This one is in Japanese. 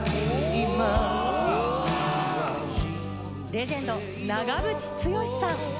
レジェンド長渕剛さん。